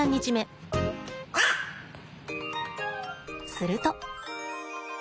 すると。